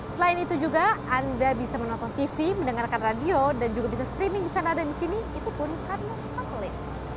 selain itu juga anda bisa menonton tv mendengarkan radio dan juga bisa streaming di sana dan di sini itu pun karena satelit